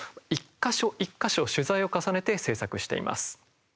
か所一か所取材を重ねて制作しています。